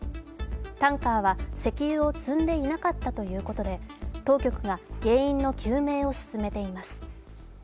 タンカーは石油を積んでいなかったということで当局が原因の究明を進めています。